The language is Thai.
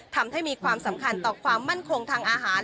ทำให้มีความสำคัญต่อความมั่นคงทางอาหาร